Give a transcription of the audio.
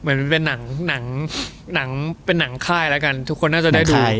เหมือนเป็นหนังค่ายละกันทุกคนน่าจะได้ดู